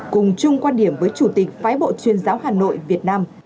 cùng chung quan điểm với chủ tịch phái bộ chuyên giáo hà nội việt nam